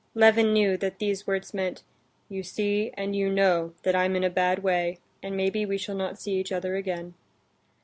Levin knew that those words meant, "You see, and you know, that I'm in a bad way, and maybe we shall not see each other again."